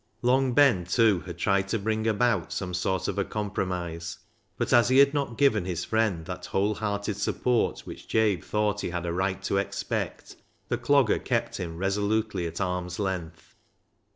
Long Ben, too, had tried to bring about some sort of a compromise, but as he had not given his friend that whole hearted support which Jabe thought he had a right to expect, the Clogger kept him resolutely at arm's length.